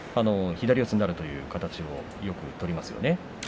左四つになるという形をよく取りますね。